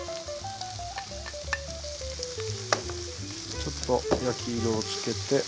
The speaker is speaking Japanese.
ちょっと焼き色を付けて。